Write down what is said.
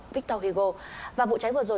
victor hugo và vụ cháy vừa rồi